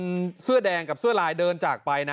เสื้อแดงกับเสื้อลายเดินจากไปนะ